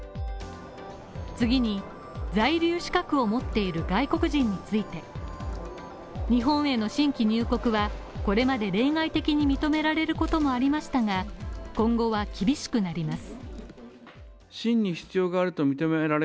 次に、在留資格を持っている外国人について、日本への新規入国はこれまで例外的に認められることもありましたが今後は厳しくなります。